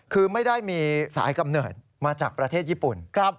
คือไม่ได้มีสายกำเนิดมาจากประเทศญี่ปุ่น